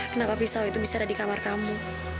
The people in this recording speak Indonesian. kenapa pisau itu bisa ada di kamar kamu